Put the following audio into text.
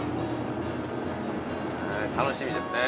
楽しみですね。